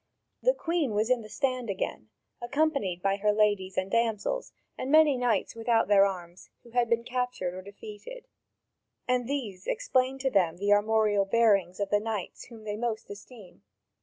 The Queen was in the stand again, accompanied by her ladies and damsels and many knights without their arms, who had been captured or defeated, and these explained to them the armorial bearings of the knights whom they most esteem.